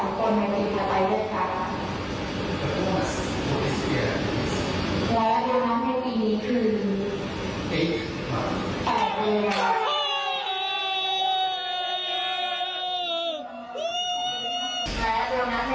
ส่วนของลูกหลุดขอคืนและแขกความต้องการเข้าจากคนไม่หลิกเข้าไปด้วยค่ะ